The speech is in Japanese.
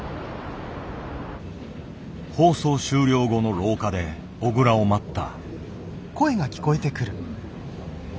放送終了後の廊下で小倉を待った。